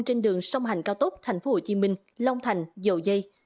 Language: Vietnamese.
trên đường sông hành cao tốc tp hcm long thành dầu dây